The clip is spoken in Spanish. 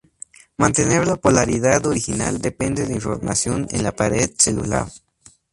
Mantener la polaridad original depende de información en la pared celular.